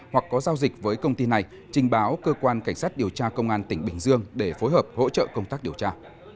hoặc có giao dịch với công ty này trình báo cơ quan cảnh sát điều tra công an tỉnh bình dương để phối hợp hỗ trợ công tác điều tra